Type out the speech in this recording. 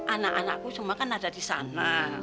anak anakku semua kan ada di sana